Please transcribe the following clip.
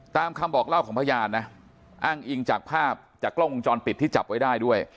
ตามคำบอกเล่าของพยานนะอ้างอิงจากภาพจากกล้องวงจรปิดที่จับไว้ได้ด้วย